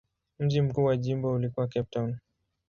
Mji mkuu wa jimbo ulikuwa Cape Town.